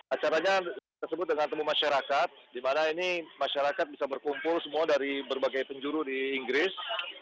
acaranya tersebut dengan temu masyarakat di mana ini masyarakat bisa berkumpul semua dari berbagai penjuru di inggris